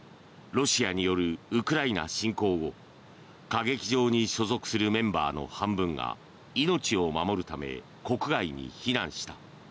ロシアによるウクライナ侵攻後歌劇場に所属するメンバーの半分が命を守るため国外に避難した。